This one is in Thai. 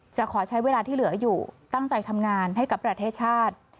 จะขอใช้เวลาที่เหลืออยู่ตั้งใจทำงานให้กับประเทศชาติ